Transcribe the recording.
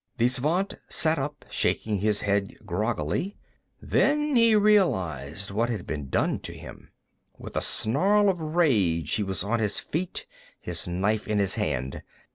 The Svant sat up, shaking his head groggily. Then he realized what had been done to him. With a snarl of rage, he was on his feet, his knife in his hand.